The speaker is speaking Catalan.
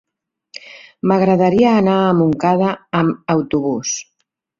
M'agradaria anar a Montcada amb autobús.